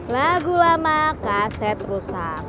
lagu lama kaset rusak